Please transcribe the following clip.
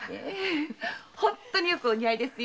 本当によくお似合いですよ。